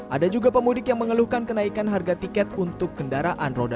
ada juga pemudik yang mengeluhkan kenaikan harga tiket untuk kendaraan roda dua